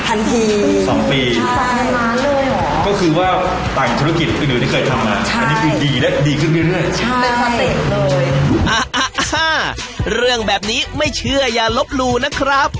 เรื่องแบบนี้ไม่เชื่ออย่าลบหลู่นะครับ